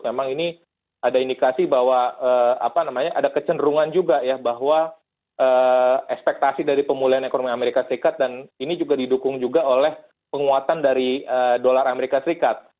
memang ini ada indikasi bahwa ada kecenderungan juga ya bahwa ekspektasi dari pemulihan ekonomi amerika serikat dan ini juga didukung juga oleh penguatan dari dolar amerika serikat